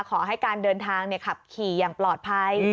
ขอให้การเดินทางขับขี่อย่างปลอดภัย